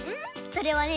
それはね